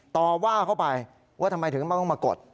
ต่อว่าเข้าไปว่าทำไมถึงไม่ต้องมากด